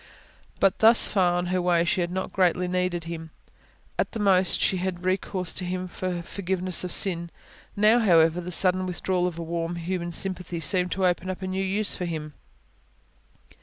But thus far on her way she had not greatly needed Him: at the most, she had had recourse to Him for forgiveness of sin. Now, however, the sudden withdrawal of a warm, human sympathy seemed to open up a new use for Him.